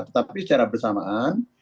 tetapi secara bersamaan